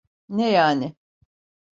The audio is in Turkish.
Ne yani?